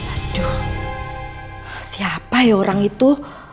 aduh siapa ya orang itu